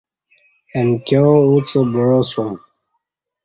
امکیاں اݩڅ بعاسوم